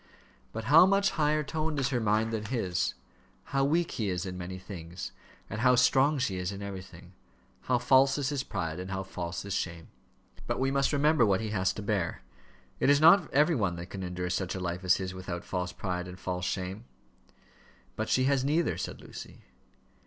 "But how much higher toned is her mind than his! How weak he is in many things, and how strong she is in everything! How false is his pride, and how false his shame!" "But we must remember what he has to bear. It is not every one that can endure such a life as his without false pride and false shame." "But she has neither," said Lucy.